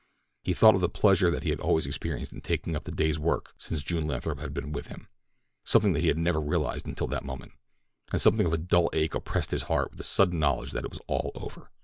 He thought of the pleasure that he had always experienced in taking up the day's work since June Lathrop had been with him—something that he had never realized until that moment—and something of a dull ache oppressed his heart with the sudden knowledge that it was all over.